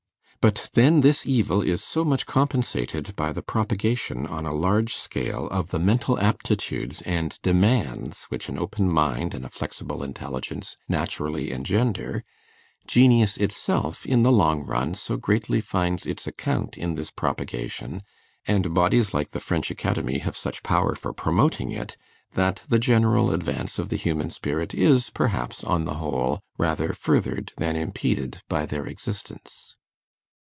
But then this evil is so much compensated by the propagation, on a large scale, of the mental aptitudes and demands which an open mind and a flexible intelligence naturally engender, genius itself in the long run so greatly finds its account in this propagation, and bodies like the French Academy have such power for promoting it, that the general advance of the human spirit is perhaps, on the whole, rather furthered than impeded by their existence.